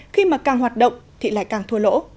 khi mà càng hoạt động thì lại càng thua lỗ